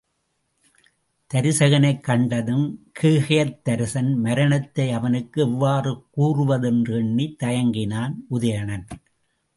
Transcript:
தருசகனைக் கண்டதும் கேகயத்தரசன் மரணத்தை அவனுக்கு எவ்வாறு கூறுவது என்று எண்ணித் தயங்கினான் உதயணன்.